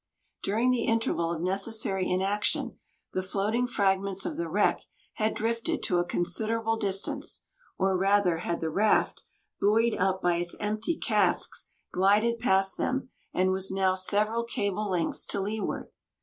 During the interval of necessary inaction, the floating fragments of the wreck had drifted to a considerable distance, or rather had the raft, buoyed up by its empty casks, glided past them, and was now several cable lengths to leeward.